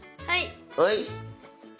はい。